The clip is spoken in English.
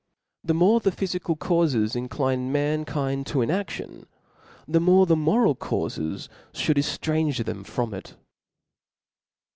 The more the phyfical caufes incline mankind to inadion, the more the moral caufes ihould eftrange them from ft.